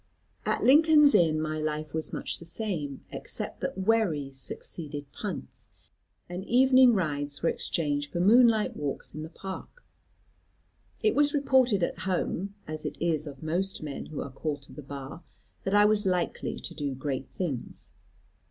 "At Lincoln's Inn, my life was much the same, except that wherries succeeded punts, and evening rides were exchanged for moonlight walks in the park. It was reported at home, as it is of most men who are called to the Bar, that I was likely to do great things.